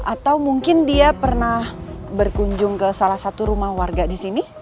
atau mungkin dia pernah berkunjung ke salah satu rumah warga di sini